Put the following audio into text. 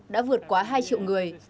đã vượt quá hai triệu người